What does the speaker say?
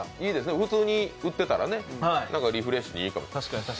普通に売ってたらリフレッシュにいいかも。